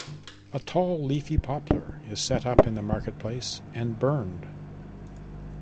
A tall leafy poplar is set up in the marketplace and burned.